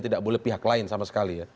tidak boleh pihak lain sama sekali ya